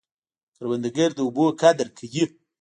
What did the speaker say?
کروندګر د اوبو قدر کوي